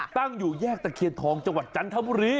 ตั้งอยู่แยกตะเคียนทองจังหวัดจันทบุรี